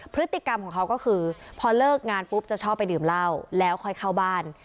พฤติกรรมของเขาก็คือพอเลิกงานปุ๊บจะชอบไปดื่มเหล้าแล้วค่อยเข้าบ้าน